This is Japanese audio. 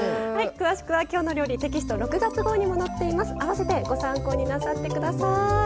詳しくは「きょうの料理」テキスト６月号にも併せてご参考になさってください。